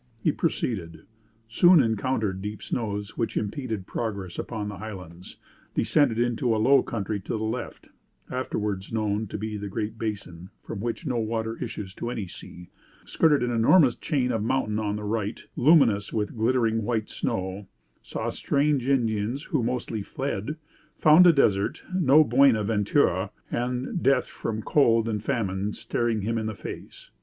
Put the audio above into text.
"He proceeded soon encountered deep snows which impeded progress upon the highlands descended into a low country to the left (afterwards known to be the Great Basin, from which no water issues to any sea) skirted an enormous chain of mountain on the right, luminous with glittering white snow saw strange Indians, who mostly fled found a desert no Buena Ventura; and death from cold and famine staring him in the face.